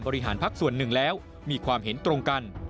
พักส่วนหนึ่งแล้วมีความเห็นตรงกัน